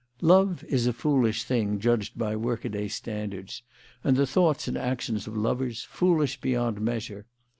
Love is a foolish thing judged by workaday standards, and the thoughts and actions of lovers foolish beyond measure.